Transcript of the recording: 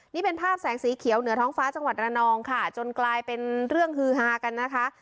นี่เป็นภาพแสงสีเขียวเหนือท้องฟ้าจังหวัดระนองค่ะจนกลายเป็นเรื่องฮือฮากันนะคะ